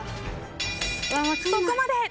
そこまで。